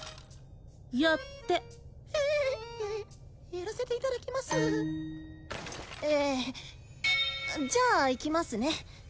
やってヒイやらせていただきますえじゃあいきますね